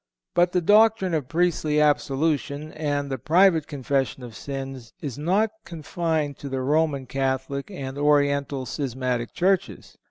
But the doctrine of priestly absolution and the private confession of sins is not confined to the Roman Catholic and Oriental schismatic churches.